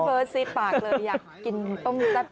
พี่เบิร์ดซีดปากเลยอยากกินป้มลั๊ด